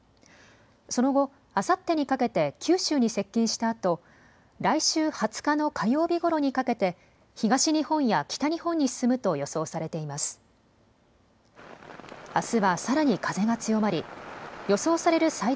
その後、あさってにかけて九州に接近したあと来週２０日の火曜日ごろにかけて東日本や北日本に進むと予想されています。